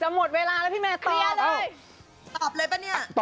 จะหมดเวลาและพี่แม่ต่อเลย